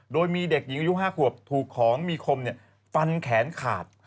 โดยมีเด็กหญิงอายุ๕ขวบถูกของมีคมฟันแขนขาด